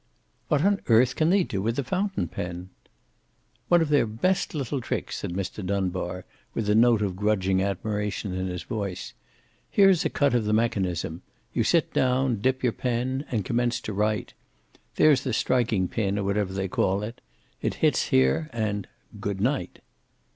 "What on earth can they do with a fountain pen?" "One of their best little tricks," said Mr. Dunbar, with a note of grudging admiration in his voice. "Here's a cut of the mechanism. You sit down, dip your pen, and commence to write. There's the striking pin, or whatever they call it. It hits here, and good night!"